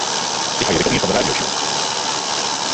Ik ha hjir ek al ien fan de radio sjoen.